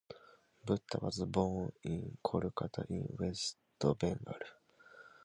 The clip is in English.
Dutta was born in Kolkata in West Bengal.